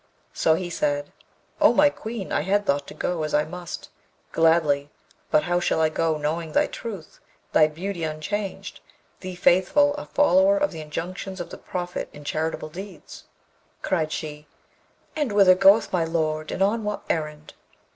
So he said, 'O my Queen! I had thought to go, as I must, gladly; but how shall I go, knowing thy truth, thy beauty unchanged; thee faithful, a follower of the injunctions of the Prophet in charitable deeds?' Cried she, 'And whither goeth my lord, and on what errand?'